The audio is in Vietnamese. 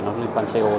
nó liên quan đến co